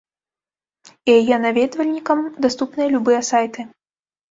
Яе наведвальнікам даступныя любыя сайты.